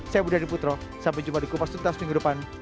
saya budi adiputro sampai jumpa di kupas tuntas minggu depan